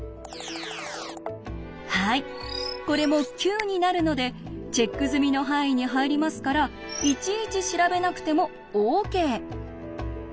はいこれも９になるのでチェック済みの範囲に入りますからいちいち調べなくてもＯＫ。